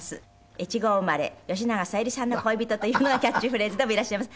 越後生まれ吉永小百合さんの恋人というのがキャッチフレーズでもいらっしゃいます。